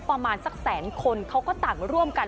ประมาณสักแสนคนเขาก็ต่างร่วมกัน